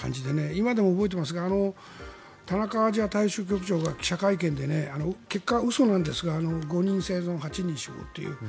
今でも覚えていますが田中アジア大洋州局長が記者会見で結果、嘘なんですが５人生存、８人死亡という。